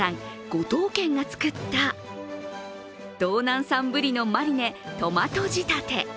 五島軒が作った道南産ブリのマリネトマト仕立て。